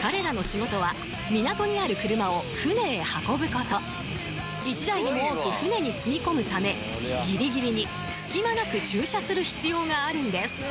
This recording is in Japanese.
彼らの仕事は港にある車を船へ運ぶこと一台でも多く船に積み込むためギリギリに隙間なく駐車する必要があるんです